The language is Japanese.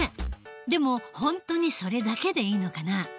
でも本当にそれだけでいいのかな？